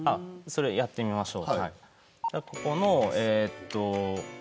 やってみましょう。